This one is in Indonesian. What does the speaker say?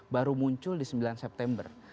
baru muncul di sembilan september